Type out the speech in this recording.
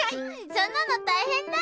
そんなのたいへんだよ。